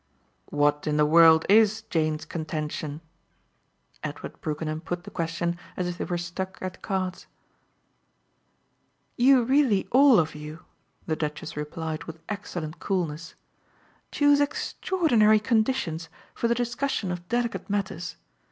"What in the world IS Jane's contention?" Edward Brookenham put the question as if they were "stuck" at cards. "You really all of you," the Duchess replied with excellent coolness, "choose extraordinary conditions for the discussion of delicate matters.